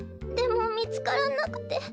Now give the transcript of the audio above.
でもみつからなくて。